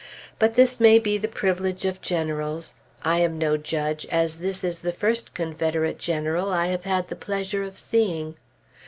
But this may be the privilege of generals. I am no judge, as this is the first Confederate general I have had the pleasure of seeing.